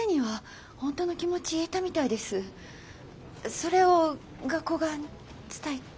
それを学校側に伝えた？